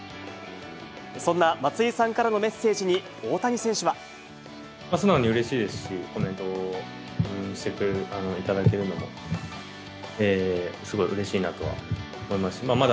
そんな松井さんからのメッセ素直にうれしいですし、コメントしていただけるのもすごいうれしいなとは思います。